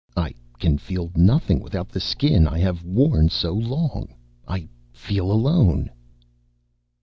I can feel nothing without the Skin I have worn so long. I feel alone."